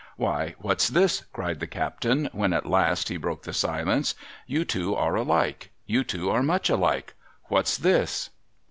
'Why, what's this?' cried the captain, when at last he broke the silence. ' You two are alike. You two are much alike ! What's this